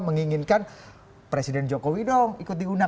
menginginkan presiden jokowi dong ikut di undang